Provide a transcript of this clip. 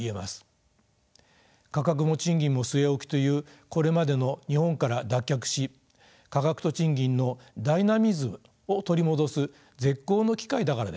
価格も賃金も据え置きというこれまでの日本から脱却し価格と賃金のダイナミズムを取り戻す絶好の機会だからです。